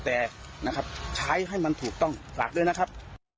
แต่ใช้ให้มันถูกต้องหลักด้วยนะครับ